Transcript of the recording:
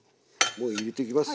もう入れてきます。